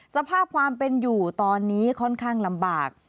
สภาพความเป็นอยู่ตอนนี้ค่อนข้างลำบาก